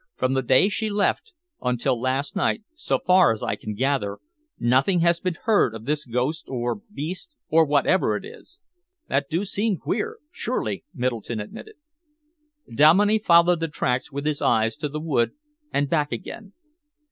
From the day she left until last night, so far as I can gather, nothing has been heard of this ghost, or beast, or whatever it is." "That do seem queer, surely," Middleton admitted. Dominey followed the tracks with his eyes to the wood and back again.